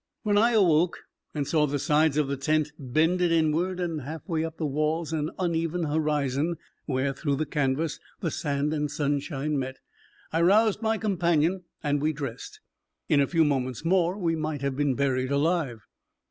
When I awoke and saw the sides of the tent bended inward and half way up the walls an uneven horizon, where, through the canvas, the sand and sunshine met, I roused my companion and we dressed. In a few moments more we might have been buried alive.